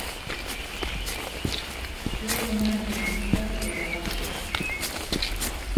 用もないのに突っ立ってて邪魔